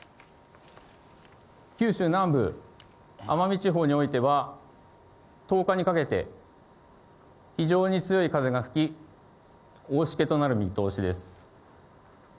九州南部、奄美地方においては、１０日にかけて、非常に強い風が吹き、大しけとなる見通しです。